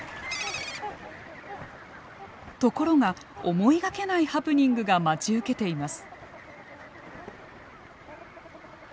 ところが思いがけないハプニングが待ち受けています。